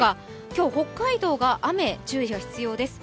今日北海道が雨、注意が必要です。